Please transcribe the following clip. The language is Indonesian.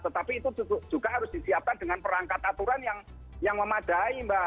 tetapi itu juga harus disiapkan dengan perangkat aturan yang memadai mbak